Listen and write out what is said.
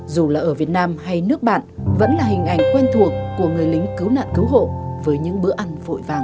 dù là ở việt nam hay nước bạn vẫn là hình ảnh quen thuộc của người lính cứu nạn cứu hộ với những bữa ăn vội vàng